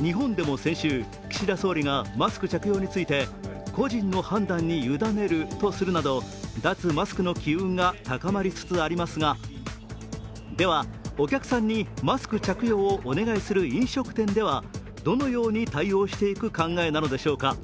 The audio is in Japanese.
日本でも先週、岸田総理がマスク着用について個人の判断に委ねるとするなど脱マスクの機運が高まりつつありますがでは、お客さんにマスク着用をお願いする飲食店ではどのように対応していく考えなのでしょうか。